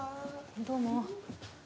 どうも。